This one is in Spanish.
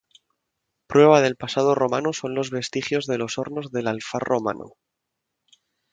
Prueba del pasado romano son los vestigios de los hornos del Alfar romano.